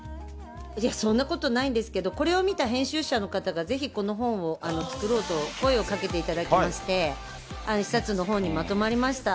いや、そんなことないんですけど、これを見た編集者の方が、ぜひこの本を作ろうと声をかけていただきまして、一冊の本にまとまりました。